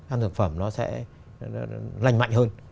ăn thực phẩm nó sẽ lành mạnh hơn